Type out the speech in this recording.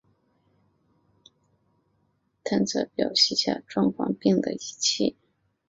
透地雷达是以雷达脉冲波探测地表以下状况并的仪器。